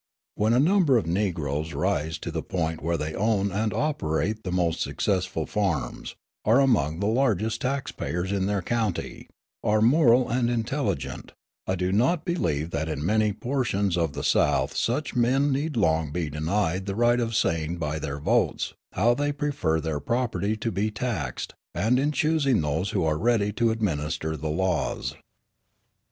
When a number of Negroes rise to the point where they own and operate the most successful farms, are among the largest tax payers in their county, are moral and intelligent, I do not believe that in many portions of the South such men need long be denied the right of saying by their votes how they prefer their property to be taxed and in choosing those who are to make and administer the laws.